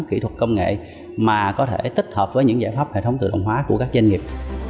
kỹ thuật công nghệ mà có thể tích hợp với những giải pháp hệ thống tự động hóa của các doanh nghiệp